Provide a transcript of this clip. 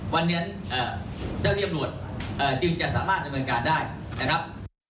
วันนี้เจ้าที่ตำรวจจึงจะสามารถดำเนินการได้นะครับ